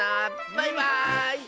バイバーイ！